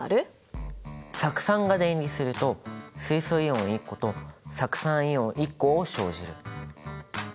酢酸が電離すると水素イオン１個と酢酸イオン１個を生じる。